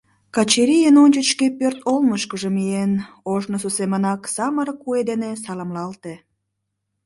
Качырий эн ончыч шке пӧрт олмышкыжо миен, ожнысо семынак самырык куэ дене саламлалте.